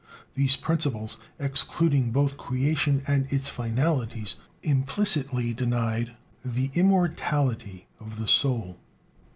These principles, excluding both creation and its finalities, implicitly denied the immortality of the soul.